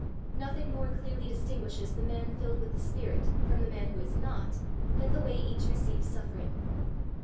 Nothing more clearly distinguishes the man filled with the Spirit from the man who is not than the way each receives suffering.